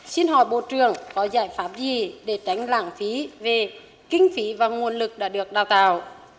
xin hỏi bộ trưởng có giải pháp gì để tránh lãng phí về kinh phí và nguồn lực đã được đào tạo